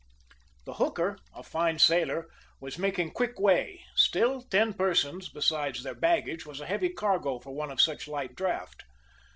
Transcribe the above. The hooker, a fine sailer, was making quick way; still, ten persons, besides their baggage, were a heavy cargo for one of such light draught.